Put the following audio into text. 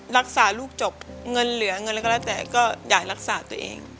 รักษาลูกจบเงินเหลือเงินอะไรก็แล้วแต่ก็อยากรักษาตัวเอง